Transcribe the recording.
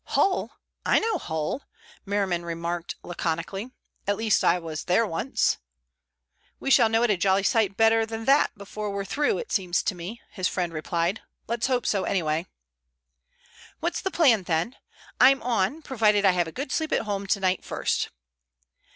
"Hull! I know Hull," Merriman remarked laconically. "At least, I was there once." "We shall know it a jolly sight better than that before we're through, it seems to me," his friend replied. "Let's hope so, anyway." "What's the plan, then? I'm on, provided I have a good sleep at home tonight first."